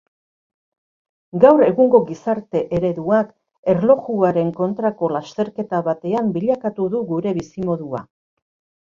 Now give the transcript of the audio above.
Gaur egungo gizarte ereduak, erlojuaren kontrako lasterketa batean bilakatu du gure bizimodua.